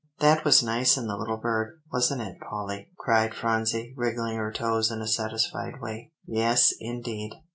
'" "That was nice in the little bird, wasn't it, Polly?" cried Phronsie, wiggling her toes in a satisfied way. "Yes, indeed.